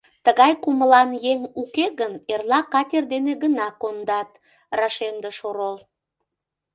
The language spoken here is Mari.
— Тыгай кумылан еҥ уке гын, эрла катер дене гына кондат, — рашемдыш орол.